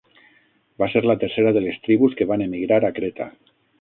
Va ser la tercera de les tribus que van emigrar a Creta.